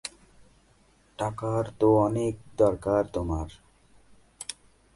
টাকার তো অনেক দরকার তোমার।